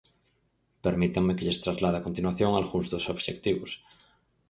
Permítanme que lles traslade a continuación algúns dos obxectivos.